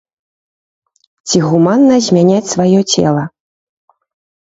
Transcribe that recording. Ці гуманна змяняць сваё цела?